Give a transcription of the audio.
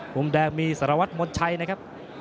มุมแดงมีสารวัตรมนชัยนะครับ